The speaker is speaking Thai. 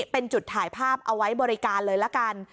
เป็นจุดถ่ายภาพเอาไว้บริการเลยละกัน